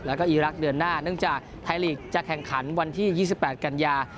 แล้วก็อีรักษ์เดือนหน้าเนื่องจากไทยลีกจะแข่งขันวันที่๒๘กันยา